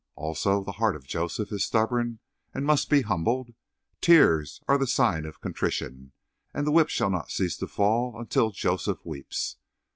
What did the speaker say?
Also, the heart of Joseph is stubborn and must be humbled. Tears are the sign of contrition, and the whip shall not cease to fall until Joseph weeps."